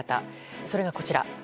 それが、こちら。